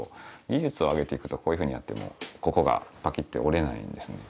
技術を上げていくとこういうふうにやってもここがパキッて折れないんですね。